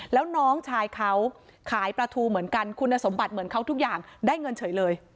แล้วน้องชายเขาขายปลาทูเหมือนกันคุณสมบัติเหมือนเขาทุกอย่างได้เงินเฉยเลย